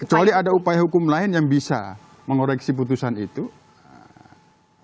kecuali ada upaya hukum lain yang bisa mengoreksi putusan itu kalau upaya hukum kan berarti ada novum